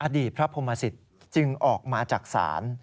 อดีตพระพรหมสิตจึงออกมาจากศาล